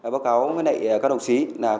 báo cáo với các đồng chí